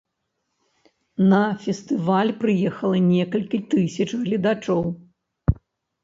На фестываль прыехала некалькі тысяч гледачоў.